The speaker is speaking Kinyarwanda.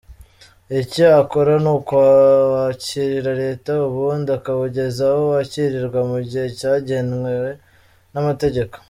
Icyo akora ni ukuwakirira Leta ubundi akawugeza aho wakirirwa mu gihe cyagenwe n’amategeko.